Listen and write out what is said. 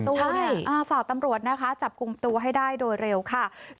ฝากตำรวจนะคะจับกลุ่มตัวให้ได้โดยเร็วค่ะ